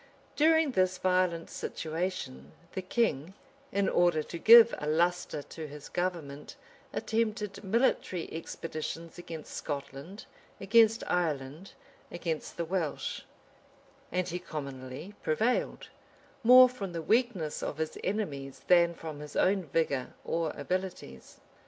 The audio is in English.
During this violent situation, the king, in order to give a lustre to his government, attempted military expeditions against Scotland, against Ireland, against the Welsh:[*] and he commonly prevailed, more from the weakness of his enemies than from his own vigor or abilities.